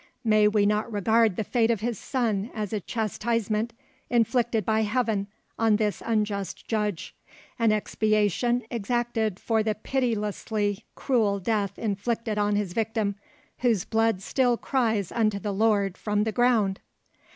May we not regard the fate of his son as a chastisement inflicted by Heaven on this unjust judge—an expiation exacted for the pitilessly cruel death inflicted on his victim, whose blood still cries unto the Lord from the ground?"